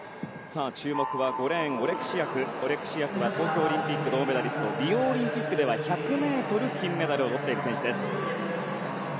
注目のオレクシアクは東京オリンピック銅メダリストリオオリンピックでは１００ｍ金メダルをとっている選手です。